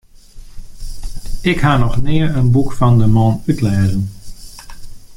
Ik ha noch nea in boek fan de man útlêzen.